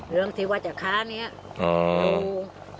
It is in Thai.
เรืองที่วัชคาร์นี้รู้